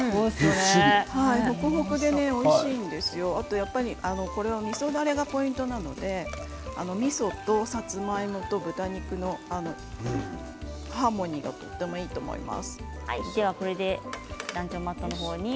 やっぱりみそだれがポイントなのでみそとさつまいもと豚肉のハーモニーがとてもいいと思います。